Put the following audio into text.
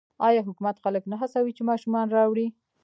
آیا حکومت خلک نه هڅوي چې ماشومان راوړي؟